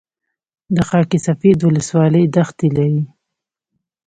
د خاک سفید ولسوالۍ دښتې لري